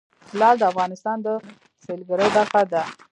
لعل د افغانستان د سیلګرۍ برخه ده.